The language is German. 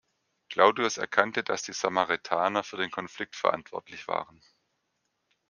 Claudius erkannte, dass die Samaritaner für den Konflikt verantwortlich waren.